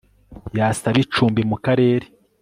yasaba icumbi mu Karere